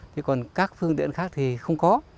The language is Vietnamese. thế còn các phương tiện khác thì không có